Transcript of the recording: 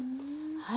はい。